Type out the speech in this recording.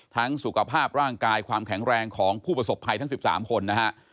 สุขภาพร่างกายความแข็งแรงของผู้ประสบภัยทั้ง๑๓คนนะฮะ